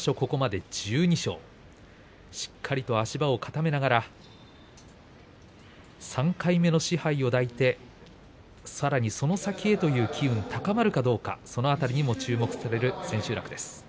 ここまで１２勝しっかりとここまで足場を固めながら３回目の賜盃を抱いてさらにその先へという機運が高まるかどうかその辺りも注目される千秋楽です。